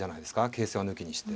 形勢は抜きにして。